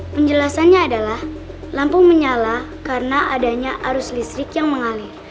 penjelasannya adalah lampung menyala karena adanya arus listrik yang mengalir